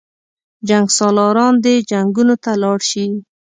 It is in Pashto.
جنګسالاران دې جنګونو ته لاړ شي.